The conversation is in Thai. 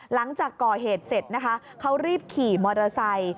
หลังจากก่อเหตุเสร็จนะคะเขารีบขี่มอเตอร์ไซค์